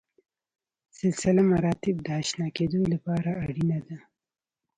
سلسله مراتب د اشنا کېدو لپاره اړینه ده.